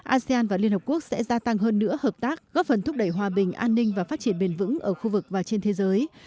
asean và liên hợp quốc sẽ gia tăng hơn nữa hợp tác góp phần thúc đẩy hòa bình an ninh và phát triển bền vững ở khu vực và trên thế giới